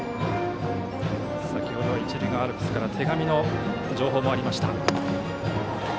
先ほどは一塁側アルプスから手紙の情報もありました。